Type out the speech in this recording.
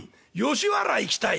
吉原行きたい？